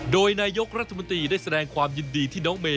โดยนายกรัฐมนตรีได้แสดงความยินดีที่น้องเมย